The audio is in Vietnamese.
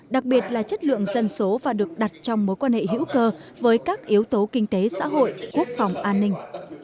đặc biệt là chất lượng dân số và được đặt trong mối quan hệ hữu cơ với các yếu tố kinh tế xã hội quốc phòng an ninh